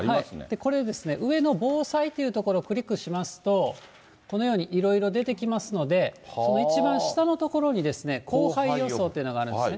これですね、上の防災というところをクリックしますと、このようにいろいろ出てきますので、その一番下のところに降灰予想というのがあるんですね。